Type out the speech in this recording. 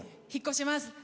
引っ越します。